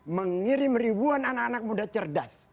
mengirim ribuan anak anak muda cerdas